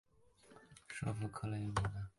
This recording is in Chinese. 首府克雷莫纳。